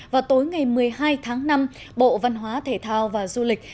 vào tối ngày một mươi hai tháng năm bộ văn hóa thể thao và du lịch